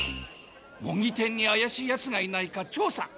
もぎ店にあやしいヤツがいないか調査！